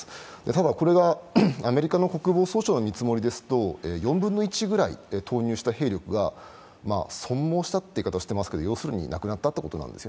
ただ、これがアメリカの国防総省の見積もりですと４分の１ぐらい、投入した兵力が、損耗したという表現してますけど要するに亡くなったってことです。